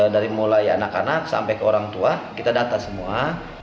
dari mulai anak anak sampai ke orang tua kita data semua